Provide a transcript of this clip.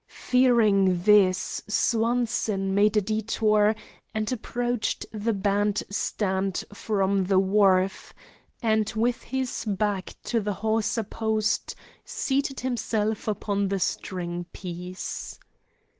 Fearing this, Swanson made a detour and approached the band stand from the wharf, and with his back to a hawser post seated himself upon the string piece.